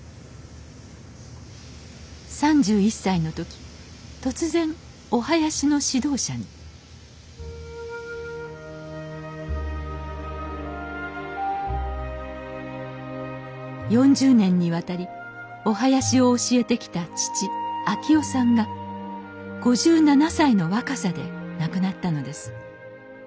３１歳の時突然お囃子の指導者に４０年にわたりお囃子を教えてきた父昭男さんが５７歳の若さで亡くなったのです。